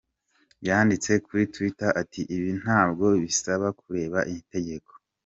Yanditse kuri Twitter ati “Ibi ntabwo bisaba kureba itegeko.